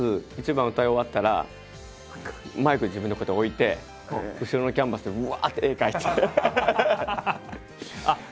１番歌い終わったらマイク自分でこうやって置いて後ろのキャンバスでうわって絵描いて。